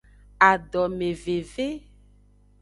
Adomeveve.